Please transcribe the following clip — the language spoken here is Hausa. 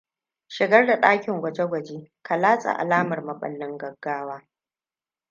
Shigar da dakin gwaje-gwaje ka latsa alamar maɓallin gaggawa.